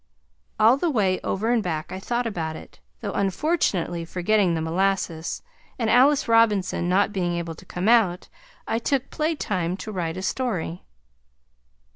All the way over and back I thought about it, though unfortunately forgetting the molasses, and Alice Robinson not being able to come out, I took playtime to write a story.